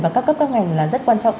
và các cấp các ngành là rất quan trọng